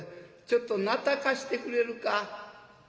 ちょっとなた貸してくれるか」。